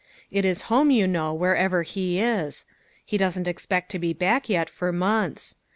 It is home, you know, wher ever he is. He doesn't expect to be back yet for months.